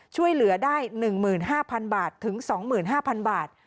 ช่วยเหลือได้๑๕๐๐๐บาทถึง๒๕๐๐บาท